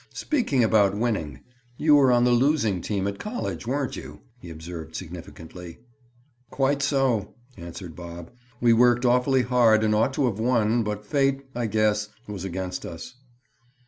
"Speaking about winning, you were on the losing team at college, weren't you?" he observed significantly. "Quite so!" answered Bob. "We worked awfully hard and ought to have won, but fate, I guess, was against us."